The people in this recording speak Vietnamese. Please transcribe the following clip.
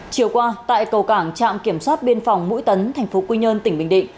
chiều qua tại cầu cảng trạm kiểm soát biên phòng mũi tấn thành phố quy nhơn tỉnh bình định